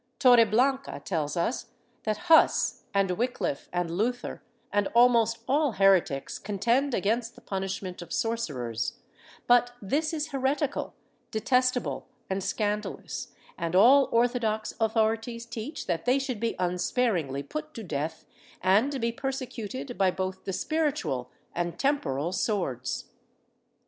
^ Torreblanca tells us that Huss and Wickliffe and Luther and almost all heretics contend against the punishment of sorcerers, but this is heretical, detestable and scandalous, and all orthodox authorities teach that they should be unsparingly put to death and be persecuted by both the spir itual and temporal swords.